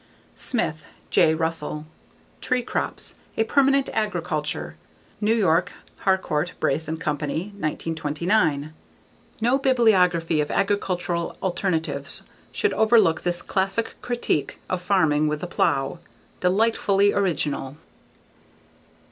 Smith, J. Russell. Tree Crops: A Permanent Agriculture. New York: Harcourt, Brace and Company, 1929. No bibliography of agricultural alternatives should overlook this classic critique of farming with the plow. Delightfully original!